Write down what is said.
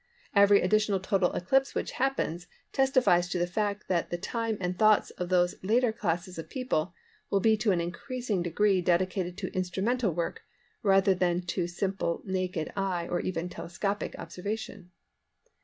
Every additional total eclipse which happens testifies to the fact that the time and thoughts of these latter classes of people will be to an increasing degree dedicated to instrumental work rather than to simple naked eye or even telescopic observation.